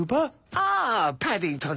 あパディントン！